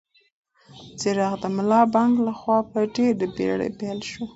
څراغ د ملا بانګ لخوا په ډېرې بېړه بل شو.